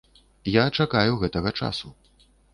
Я чакаю гэтага часу.